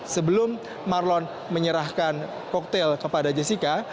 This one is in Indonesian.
sebelum marlon menyerahkan koktel kepada jessica